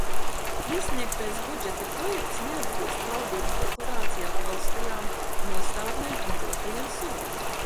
Iesniegtais budžeta projekts neatbilst Valdības deklarācijā paustajām nostādnēm un dotajiem solījumiem.